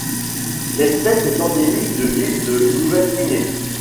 L'espèce est endémique de l'île de Nouvelle-Guinée.